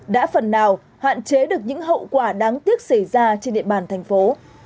đã phần nào hạn chế được những hậu quả đáng tiếc xảy ra trên địa bàn thành phố